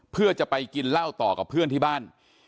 เพื่อจะไปกินเหล้าต่อกับเพื่อนที่บ้าน